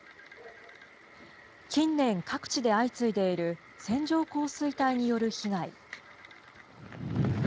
近年、各地で相次いでいる線状降水帯による被害。